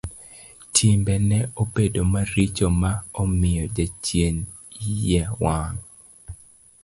Timbe ne obedo maricho ma omiyo jachien iye owang'.